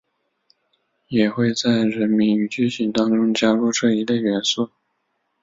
也会在人名与剧情当中加入这一类元素。